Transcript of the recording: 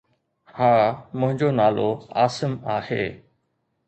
ها، منهنجو نالو عاصم آهي